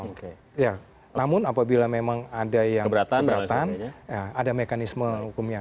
oke namun apabila memang ada yang keberatan ada mekanisme hukumnya